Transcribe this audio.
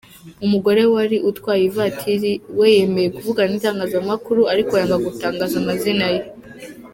Umugore wari utwaye ivatiri we yemeye kuvugana n’itangazamakuru ariko yanga gutangaza amazina ye.